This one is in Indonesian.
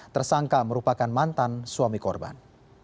tersangka merupakan mantan suami korban